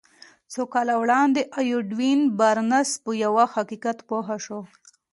څو کاله وړاندې ايډوين بارنس په يوه حقيقت پوه شو.